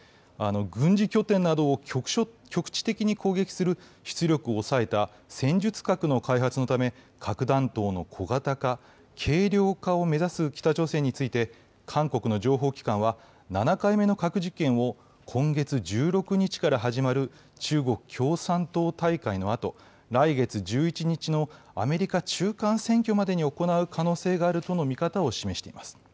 軍事拠点などを局地的に攻撃する出力を抑えた戦術核の開発のため、核弾頭の小型化、軽量化を目指す北朝鮮について、韓国の情報機関は７回目の核実験を今月１６日から始まる中国共産党大会のあと、来月１１日のアメリカ中間選挙までに行う可能性があるとの見方を示しています。